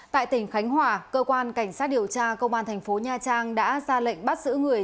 tại tỉnh khánh hòa cơ quan cảnh sát điều tra công an thành phố nha trang đã ra lệnh bắt giữ người